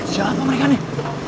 siapa mereka nih